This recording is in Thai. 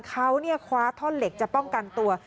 เขาคว้าท่อนเหล็กจะป้องกันตัว